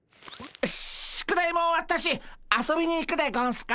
宿題も終わったし遊びに行くでゴンスか。